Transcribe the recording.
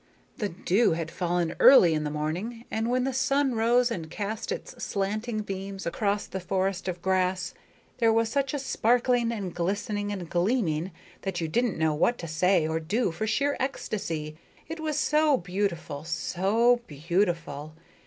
The dew had fallen early in the morning, and when the sun rose and cast its slanting beams across the forest of grass, there was such a sparkling and glistening and gleaming that you didn't know what to say or do for sheer ecstasy, it was so beautiful, so beautiful!